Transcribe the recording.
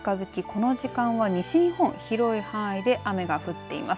この時間は西日本広い範囲で雨が降っています。